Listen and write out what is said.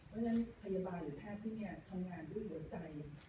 เพราะฉะนั้นพยาบาลหรือแพทย์ที่นี่ทำงานด้วยหัวใจ